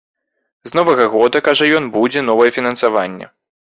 З новага года, кажа ён, будзе новае фінансаванне.